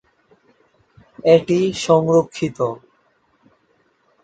এটি সংরক্ষিত।